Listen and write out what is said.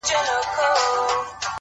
دا کار حرام دی او’ دا بل حلال دي وکړ’